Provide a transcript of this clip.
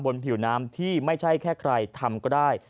ผิวน้ำที่ไม่ใช่แค่ใครทำก็ได้